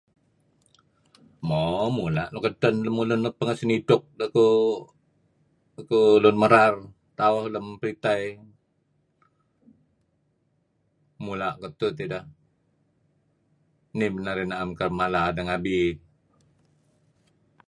Mo mla' nuk eden lemulun nuk pangeh senidtuk deh kuh lun merar tauh lem printeh mula' ketuh tideh nih man narih naem kereb mala deh ngabi.